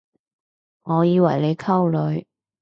我以為你溝女